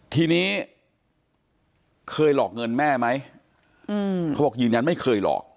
ทีนี้เคยหลอกเงินแม่ไหมเขาบอกยืนยันไม่เคยหลอก